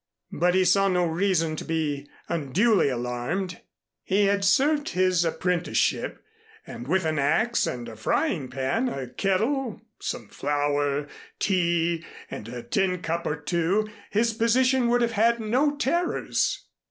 But he saw no reason to be unduly alarmed. He had served his apprenticeship; and with an axe and a frying pan, a kettle, some flour, tea, and a tin cup or two, his position would have had no terrors.